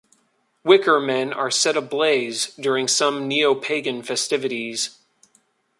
Wicker men are set ablaze during some neopagan festivities.